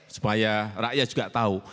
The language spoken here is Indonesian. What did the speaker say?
supaya rakyat juga tahu